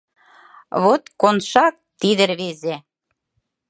Вот Коншак — тиде рвезе!